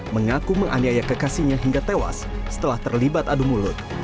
mengaku menganiaya kekasihnya hingga tewas setelah terlibat adu mulut